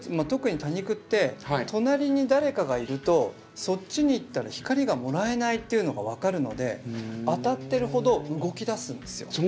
特に多肉って隣に誰かがいるとそっちに行ったら光がもらえないっていうのが分かるので当たってるほど動きだすんですよ。